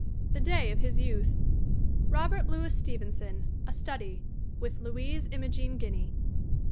The Day of His Youth. Robert Louis Stevenson A Study (with Louise Imogen Guiney).